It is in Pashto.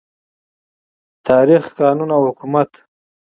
تاریخ، قانون او حکومت